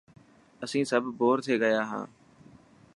اسين سڀ بور ٿي گيا هان.